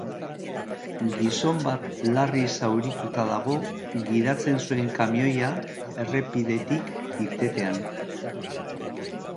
Gizon bat larri zaurituta dago gidatzen zuen kamioia errepidetik irtetean.